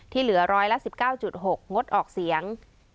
เหลือร้อยละ๑๙๖งดออกเสียง